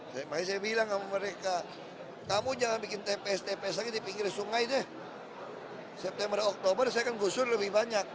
makanya saya bilang sama mereka kamu jangan bikin tps tps lagi di pinggir sungai deh september oktober saya akan gusur lebih banyak